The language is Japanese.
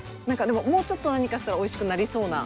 でももうちょっと何かしたらおいしくなりそうな。